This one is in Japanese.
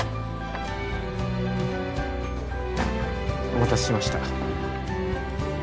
お待たせしました。